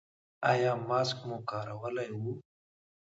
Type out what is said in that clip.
ایا ماسک مو کارولی و؟